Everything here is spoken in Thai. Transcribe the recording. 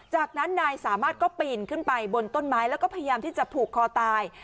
จากนั้นนายสามารถก็ปีนขึ้นไปบนต้นไม้แล้วก็พยายามที่จะผูกคอตาย